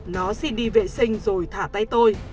nó xin đi vệ sinh rồi thả tay tôi